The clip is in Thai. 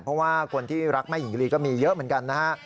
เพราะว่าคนที่รักแม่หญิงลีก็มีเยอะเหมือนกันนะฮะ